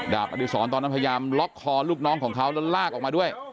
อดิษรตอนนั้นพยายามล็อกคอลูกน้องของเขาแล้วลากออกมาด้วย